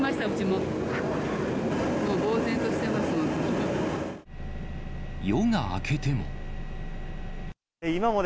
もう、夜が明けても。